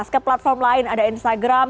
ke platform lain ada instagram